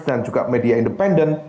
dan juga media independen